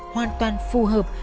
hoàn toàn phù hợp